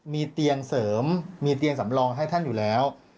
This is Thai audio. มีเตียงเสริมมีเตียงสำรองให้ท่านอยู่แล้ว